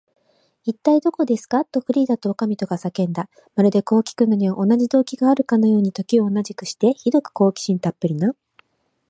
「いったい、どこですか？」と、フリーダとおかみとが叫んだ。まるで、こうきくのには同じ動機があるかのように、時を同じくして、ひどく好奇心たっぷりな